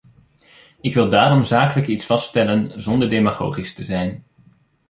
Ik wil daarom zakelijk iets vaststellen zonder demagogisch te zijn.